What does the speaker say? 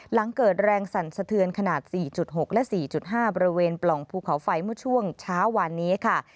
หลังเกิดแรงสั่นสะเทือนขนาด๔๖และ๔๕บริเวณปล่องภูเขาไฟเมื่อช่วงเช้าวานนี้ค่ะ